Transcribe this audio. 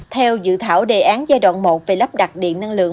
theo dự thảo đề án giai đoạn một về lắp đặt điện năng lượng